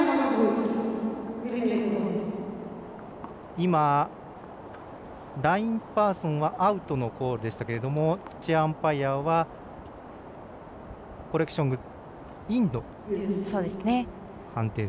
今、ラインパーソンはアウトのコールでしたけれどもチェアアンパイアはインという判定。